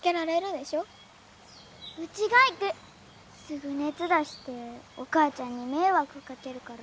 すぐ熱出してお母ちゃんに迷惑かけるから。